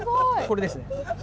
これですね。